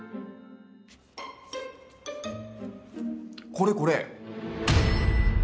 これこれ！